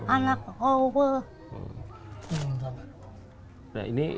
anaknya sudah berubah